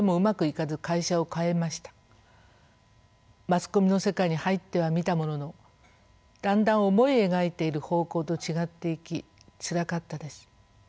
マスコミの世界に入ってはみたもののだんだん思い描いている方向と違っていきつらかったです。